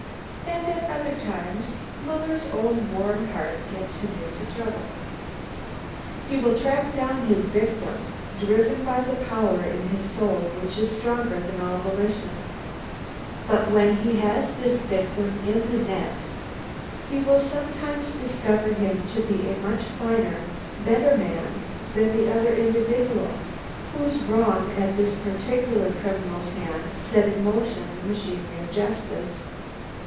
And at other times, Muller's own warm heart gets him into trouble. He will track down his victim, driven by the power in his soul which is stronger than all volition; but when he has this victim in the net, he will sometimes discover him to be a much finer, better man than the other individual, whose wrong at this particular criminal's hand set in motion the machinery of justice.